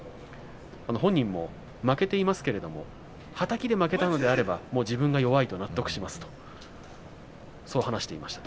本人も、負けていますけれどもはたきで負けたのであれば自分が弱い、と納得しますとそう話していました。